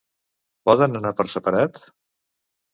Poden anar per separat?